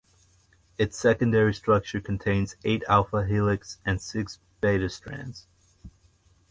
Its secondary structure contains eight alpha helix and six beta strands.